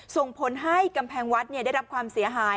ส่งผลให้กำแพงวัดได้รับความเสียหาย